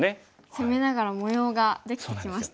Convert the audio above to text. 攻めながら模様ができてきましたね。